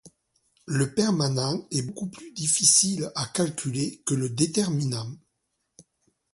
Le permanent est beaucoup plus difficile à calculer que le déterminant.